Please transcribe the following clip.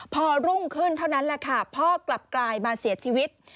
พอรุ่งขึ้นเท่านั้นแหละค่ะพ่อกลับกลายมาเสียชีวิต